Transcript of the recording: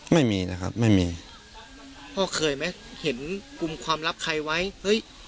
ไม่มีนะครับไม่มีพ่อเคยไหมเห็นกลุ่มความลับใครไว้เฮ้ย